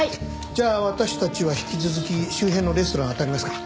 じゃあ私たちは引き続き周辺のレストランをあたりますか。